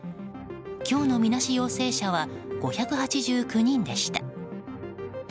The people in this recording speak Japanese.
今日のみなし陽性者は５８９人でした。